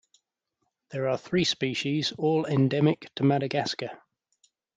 There are three species, all endemic to Madagascar.